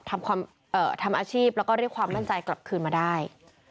ทำอาชีพแล้วก็เรียกความมั่นใจกลับคืนมาได้